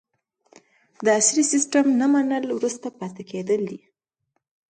د عصري سیستم نه منل وروسته پاتې کیدل دي.